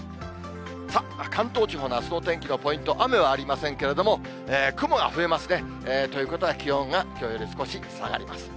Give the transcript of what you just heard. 関東地方のあすのお天気のポイント、雨はありませんけれども、雲が増えますね。ということは気温がきょうより少し下がります。